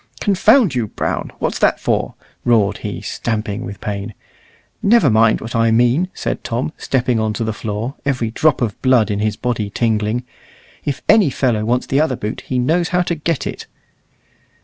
"Confound you, Brown! what's that for?" roared he, stamping with pain. "Never mind what I mean," said Tom, stepping on to the floor, every drop of blood in his body tingling; "if any fellow wants the other boot, he knows how to get it."